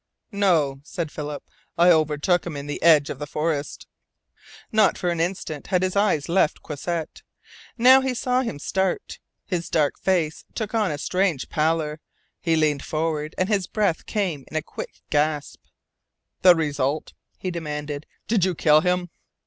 "No," said Philip. "I overtook him in the edge of the forest." Not for an instant had his eyes left Croisset. Now he saw him start. His dark face took on a strange pallor. He leaned forward, and his breath came in a quick gasp. "The result?" he demanded. "Did you kill him?"